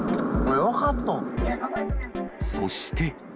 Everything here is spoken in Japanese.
そして。